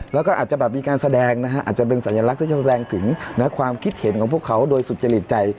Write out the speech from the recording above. แล้วก็อาจจะแบบมีการแสดงนะฮะอาจจะเป็นสัญลักษณ์ที่แสดงถึงความคิดเห็นของพวกเขาโดยสุจริตใจ